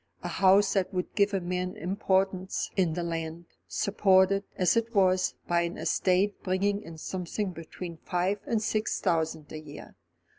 A house that would give a man importance in the land, supported, as it was, by an estate bringing in something between five and six thousand a year.